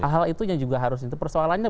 hal itu yang juga harus itu persoalannya